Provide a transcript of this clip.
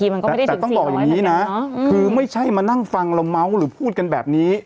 อืมแต่ต้องบอกอย่างนี้นะคือไม่ใช่มานั่งฟังละเมาส์หรือพูดกันแบบนี้